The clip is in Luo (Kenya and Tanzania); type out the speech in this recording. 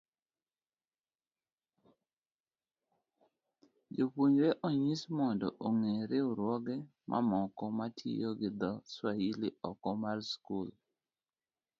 jopuonjre onyis mondo ong'e riwruoge mamoko matiyo gi dho Swahili oko mar skul.